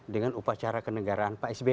dengan upacara kenegaraan pak s b